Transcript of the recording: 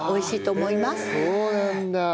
そうなんだ。